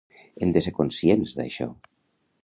Hem de ser conscients d’això.